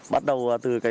bắt đầu từ